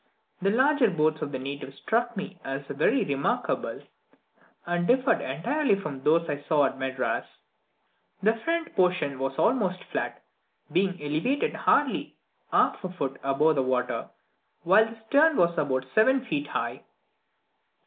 The larger boats of the natives struck me as very remarkable, and differed entirely from those I saw at Madras. The front portion was almost flat, being elevated hardly half a foot above the water while the stern was about seven feet high.